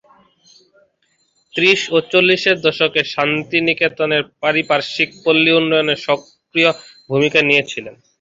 ত্রিশ ও চল্লিশের দশকে শান্তিনিকেতনের পারিপার্শ্বিক পল্লী উন্নয়নে সক্রিয় ভূমিকা নিয়েছিলেন।